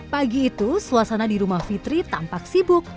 pagi itu suasana di rumah fitri tampak sibuk